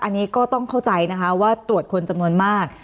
อันนี้ก็ต้องเข้าใจนะคะว่าตรวจคนจำนวนมาก